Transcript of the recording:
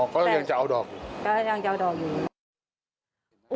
อ๋อก็ยังจะเอาดอกอยู่นะครับแปลกก็ยังจะเอาดอกอยู่